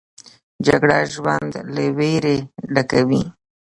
جګړه ژوند له ویرې ډکوي